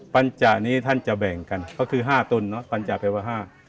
ปัญจานี้ท่านจะแบ่งกันก็คือ๕ต้นนะปัญจาแปลว่า๕